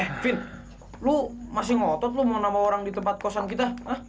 eh fit lo masih ngotot lo mau nama orang di tempat kosan kita